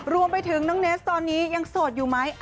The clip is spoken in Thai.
รวมไปถึงน้องเนสตอนนี้ยังโสดอยู่ไหม